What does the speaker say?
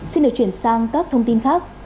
xin được chuyển sang các thông tin khác